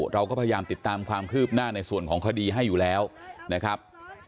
เราก็พยายามติดตามความคืบหน้าในส่วนของคดีให้อยู่แล้วนะครับ